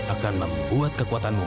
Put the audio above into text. akan membuat kekuatanmu